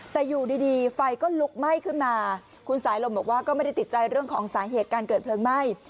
แต่อยู่ดีไฟก็ลุกไหม้ขึ้นมาคุณสายลมบอกว่าก็ไม่ได้ติดใจเรื่องของสาเหตุการเกิดเพลิงไหม้